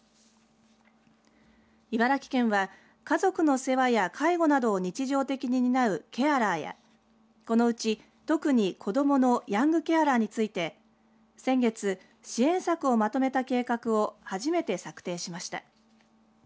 茨城県は家族の世話や介護などを日常的に担うケアラーやこのうち特に子どものヤングケアラーについて先月、支援策をまとめた計画を初めて策定しました。